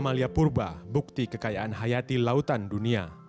malia purba bukti kekayaan hayati lautan dunia